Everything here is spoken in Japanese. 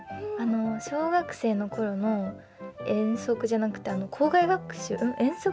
小学生のころの遠足じゃなくて校外学習？